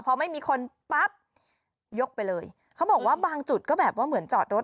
พอไม่มีคนปั๊บยกไปเลยเขาบอกว่าบางจุดก็แบบว่าเหมือนจอดรถ